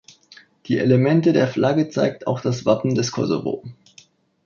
Die Elemente der Flagge zeigt auch das Wappen des Kosovo.